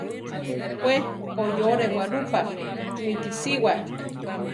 We oyore Guarupa mitisiwa.